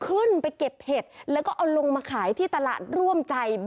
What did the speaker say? ขึ้นไปเก็บเห็ดแล้วก็เอาลงมาขายที่ตลาดร่วมใจ